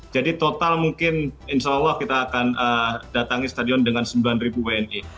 jadi total mungkin insya allah kita akan datang ke stadion dengan sembilan ribu wni